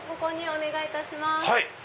お願いいたします。